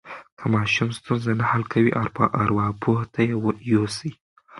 که ماشوم ستونزه نه حل کوي، ارواپوه ته یې یوسئ.